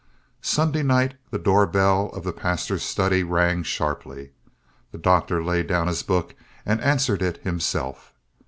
Sunday night the door bell of the pastor's study rang sharply. The Doctor laid down his book and answered it himself.